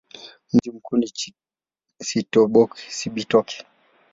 Mji mkuu ni Cibitoke.